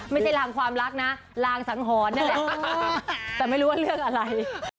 ไม่ใช่รางความรักนะลางสังหรณ์นั่นแหละแต่ไม่รู้ว่าเรื่องอะไร